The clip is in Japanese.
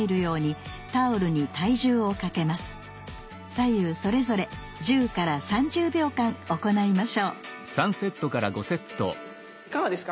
左右それぞれ１０３０秒間行いましょういかがですか？